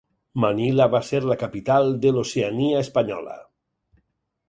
Manila va ser la capital de l'Oceania espanyola.